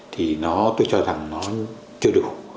thì nó tôi cho rằng nó chưa đủ